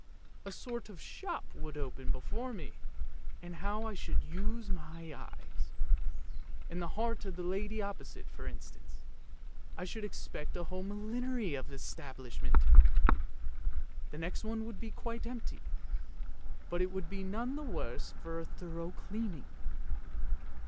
A sort of shop would open before me, and how I should use my eyes ! In the heart of that lady opposite, for instance, I should expect a whole millinery establishment! The next one would be quite empty, but it would be none the worse for a thorough cleaning.